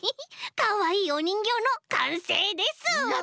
かわいいおにんぎょうのかんせいです。